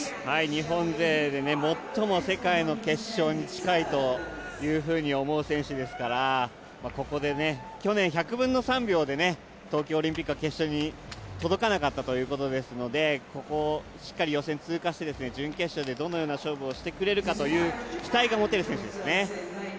日本勢で最も世界の決勝に近いと思う選手ですからここで去年１００分の３秒で東京オリンピックの決勝に届かなかったということですので、しっかり予選を通過して準決勝でどのような勝負をしてくれるかという期待が持てる選手ですね。